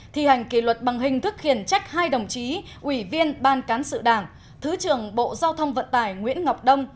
thi hành kỷ luật bằng hình thức khiển trách hai đồng chí ủy viên ban cán sự đảng thứ trưởng bộ giao thông vận tải nguyễn ngọc đông